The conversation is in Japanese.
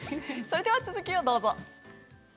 それでは続きをどうぞ。